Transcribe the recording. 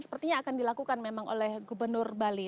sepertinya akan dilakukan memang oleh gubernur bali